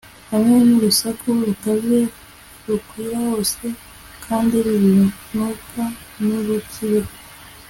hamwe n'urusaku rukaze, rukwira hose kandi runuka, ntirukiriho